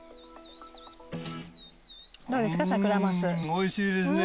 おいしいですね。